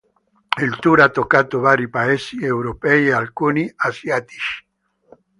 Il tour ha toccato vari paesi europei e alcuni asiatici.